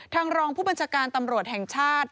รองผู้บัญชาการตำรวจแห่งชาติ